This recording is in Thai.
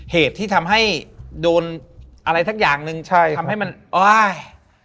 เหตุที่ทำให้โดนอะไรสักอย่างหนึ่งใช่ทำให้มันอ้าย